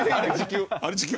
あれ時給。